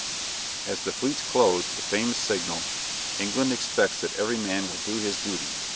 As the fleets closed the famous signal, "_England expects that every man will do his duty!